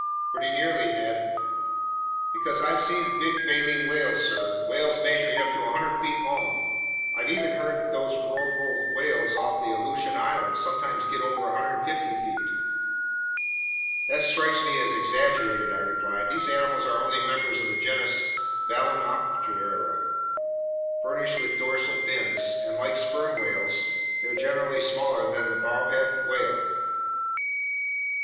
"Pretty nearly, Ned." "Because I've seen big baleen whales, sir, whales measuring up to 100 feet long! I've even heard that those rorqual whales off the Aleutian Islands sometimes get over 150 feet." "That strikes me as exaggerated," I replied. "Those animals are only members of the genus Balaenoptera furnished with dorsal fins, and like sperm whales, they're generally smaller than the bowhead whale."